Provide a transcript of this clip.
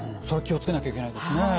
それは気を付けなきゃいけないですね。